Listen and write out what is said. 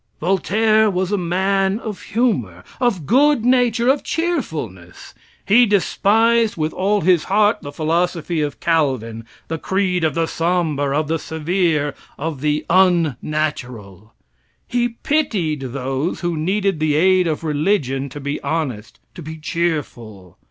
Voltaire was a man of humor, of good nature, of cheerfulness. He despised with all his heart the philosophy of Calvin, the creed of the somber, of the severe, of the unnatural. He pitied those who needed the aid of religion to be honest, to be cheerful.